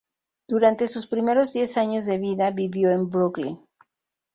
Durante sus primeros diez años de vida, vivió en Brookline.